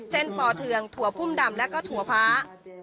เช่นปอเทืองถั่วพุ่มดำและถั่วพล้า